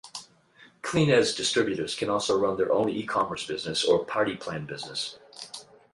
Kleeneze distributors can also run their own ecommerce business or party plan business.